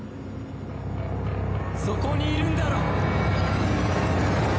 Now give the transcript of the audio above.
そこにいるんだろう？